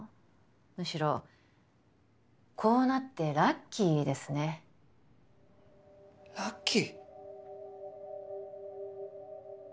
むしろこうなってラッキーですねラッキー？